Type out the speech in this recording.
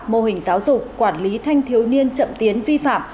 mô hình giáo dục quản lý thanh thiếu niên chậm tiến vi phạm